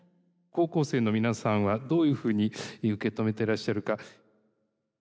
高校生の皆さんはどういうふうに受け止めてらっしゃるか？